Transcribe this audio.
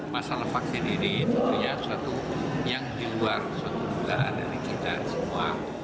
masalah vaksin ini tentunya suatu yang diluar suatu dugaan dari kita semua